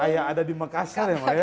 kayak ada di makassar ya mbak ya